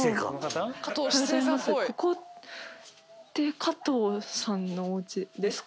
ここって加藤さんのおうちですか？